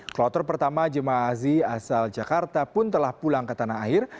kloter pertama jemaah haji asal jakarta pun telah pulang ke tanah air